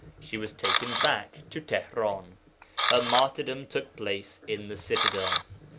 She was taken back to Tihran. Her martyrdom took place in the citadel.